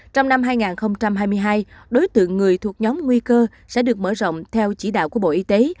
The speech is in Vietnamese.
trong năm hai nghìn hai mươi hai đối tượng người thuộc nhóm nguy cơ sẽ được mở rộng theo chỉ đạo của bộ y tế